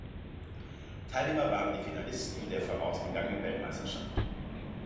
Teilnehmer waren die Finalisten der vorausgegangenen Weltmeisterschaft.